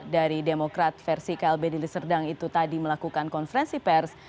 dari demokrat versi klb dili serdang itu tadi melakukan konferensi pers